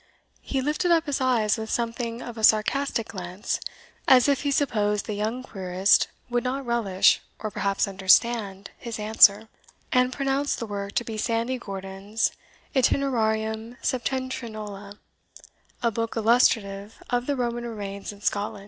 He lifted up his eyes with something of a sarcastic glance, as if he supposed the young querist would not relish, or perhaps understand, his answer, and pronounced the book to be Sandy Gordon's Itinerarium Septentrionale,* a book illustrative of the Roman remains in Scotland.